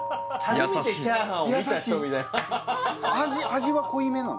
味は濃いめなの？